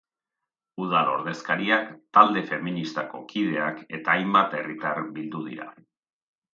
Udal odezkariak, talde feministako kideak eta hainbat herritar bildu dira.